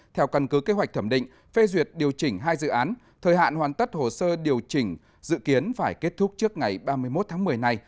theo căn cứ kế hoạch thẩm định phê duyệt điều chỉnh hai dự án thời hạn hoàn tất hồ sơ điều chỉnh dự kiến phải kết thúc trước ngày ba mươi một tháng một mươi này